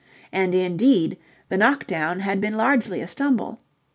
And, indeed, the knock down had been largely a stumble.